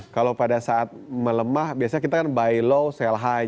kalau pada saat melemah biasanya kita kan buy low sell high